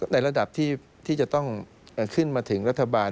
ในระดับที่จะต้องขึ้นมาถึงรัฐบาล